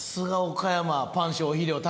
岡山